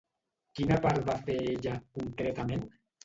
Quina part va fer ella, concretament?